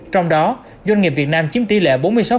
trong đó doanh nghiệp việt nam chiếm tỷ lệ bốn mươi sáu